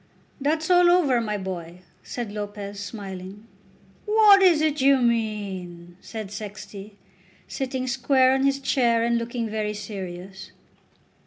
"That's all over, my boy," said Lopez, smiling. "What is it you mean?" said Sexty, sitting square on his chair and looking very serious.